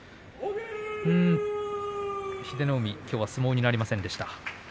英乃海、きょうは相撲になりませんでした。